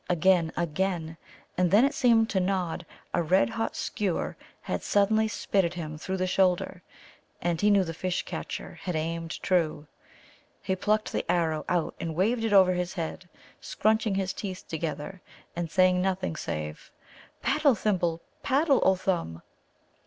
Again, again, and then it seemed to Nod a red hot skewer had suddenly spitted him through the shoulder, and he knew the Fish catcher had aimed true. He plucked the arrow out and waved it over his head, scrunching his teeth together, and saying nothing save "Paddle, Thimble! Paddle, O Thumb!"